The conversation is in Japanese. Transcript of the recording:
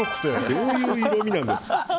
どういう色味ですか。